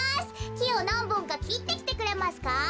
きをなんぼんかきってきてくれますか？